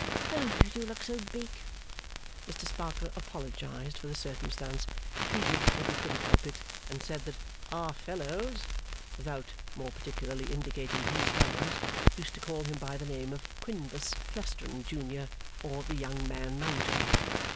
Oh, you do look so big!' Mr Sparkler apologised for the circumstance, pleaded that he couldn't help it, and said that 'our fellows,' without more particularly indicating whose fellows, used to call him by the name of Quinbus Flestrin, Junior, or the Young Man Mountain.